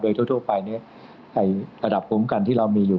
โดยทั่วไประดับคุ้มกันที่เรามีอยู่